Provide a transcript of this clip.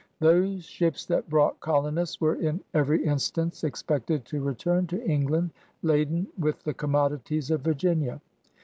Those ships that brought colonists were in every instance expected to return to England laden with the commodities of Virginia.